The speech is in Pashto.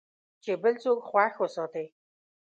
چې بل څوک خوښ وساتې .